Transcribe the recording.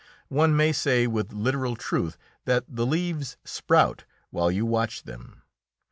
One may say with literal truth that the leaves sprout while you watch them.